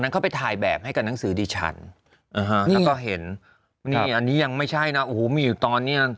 ก็เห็นอันนี้ยังไม่ใช่นะโอ้โหมีอยู่ตอนนี้